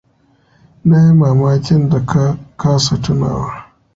Na yi mamakin da ka kasa tunawa.